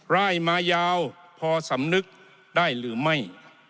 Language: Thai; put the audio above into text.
ไล่มายาวพอสำนึกได้หรือไม่